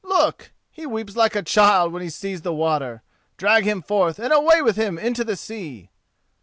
Look! he weeps like a child when he sees the water. Drag him forth and away with him into the sea!"